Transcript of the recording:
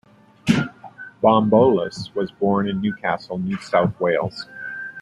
Bombolas was born in Newcastle, New South Wales.